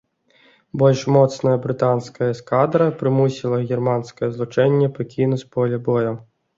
Больш моцная брытанская эскадра прымусіла германскае злучэнне пакінуць поле бою.